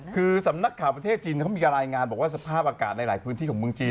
คือสำนักข่าวประเทศจีนเขามีการรายงานบอกว่าสภาพอากาศในหลายพื้นที่ของเมืองจีน